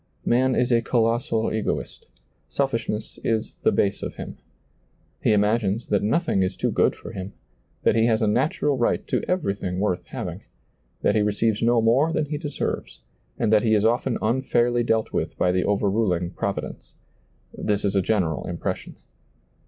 Man is a colossal egoist ; self ishness is the base of him. He imagines that nothing is too good for him ; that he has a natural right to everything worth having ; that he receives no more than be deserves ; and that he is often unfairly dealt with by the overruling Providence. This is a general impression.